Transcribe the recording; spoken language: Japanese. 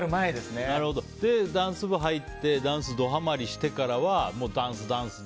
ダンス部入ってダンスにドはまりしてからはダンス、ダンスで。